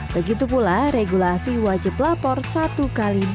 begitu pula regulations wajib lapor satu kali dua puluh empat jam